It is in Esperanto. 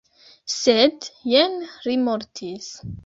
Sed jen li mortis.